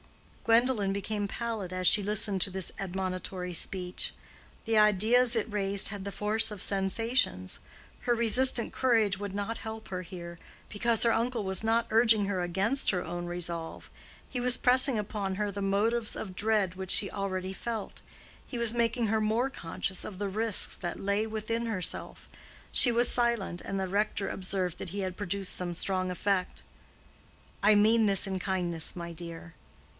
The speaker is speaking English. Gwendolen became pallid as she listened to this admonitory speech. The ideas it raised had the force of sensations. Her resistant courage would not help her here, because her uncle was not urging her against her own resolve; he was pressing upon her the motives of dread which she already felt; he was making her more conscious of the risks that lay within herself. She was silent, and the rector observed that he had produced some strong effect. "I mean this in kindness, my dear."